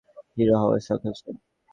Hero হওয়ার শখ হয়েছে?